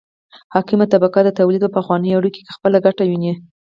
حاکمه طبقه د تولید په پخوانیو اړیکو کې خپله ګټه ویني.